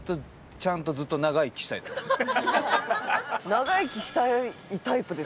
長生きしたいタイプですか？